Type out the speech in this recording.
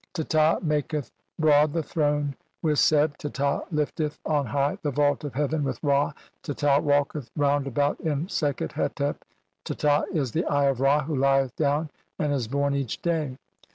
"Teta maketh broad the throne (?) with Seb ; Teta "lifteth on high the vault of heaven with Ra ; Teta "walketh round about in Sekhet hetep. Teta is the "Eye of Ra who lieth down and is born each day."